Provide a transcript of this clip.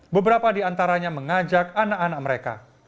beberapa di antaranya mengajak anak anak mereka